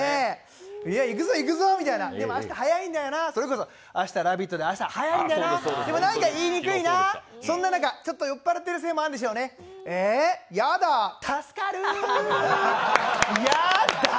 いや、行くぞ、行くぞ、でも明日、早いんだよな、それこそ、明日「ラヴィット！」で朝早いんだよな、でもなんか言いにくいなそんな中、ちょっと酔っ払ってるせいもあるでしょう、「えっヤダ」、たすかる。